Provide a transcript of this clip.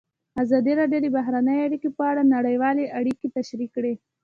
ازادي راډیو د بهرنۍ اړیکې په اړه نړیوالې اړیکې تشریح کړي.